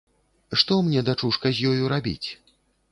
Што мне, дачушка, з ёю рабіць?